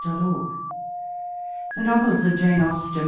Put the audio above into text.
1859] The Novels of Jane Austen.